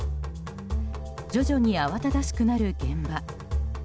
徐々に慌ただしくなる現場。